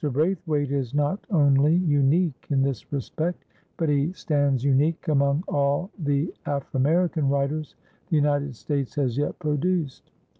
Braithwaite is not only unique in this respect, but he stands unique among all the Aframerican writers the United States has yet produced.